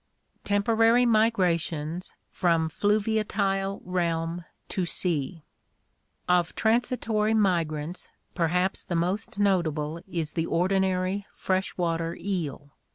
Temporary Migrations from Fluviatile Realm to Sea.— Of transitory migrants perhaps the most notable is the ordinary fresh water eel.